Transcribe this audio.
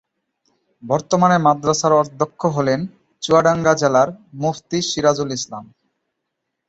বর্তমানে মাদ্রাসার অধ্যক্ষ হলেন চুয়াডাঙ্গা জেলার মুফতি সিরাজুল ইসলাম।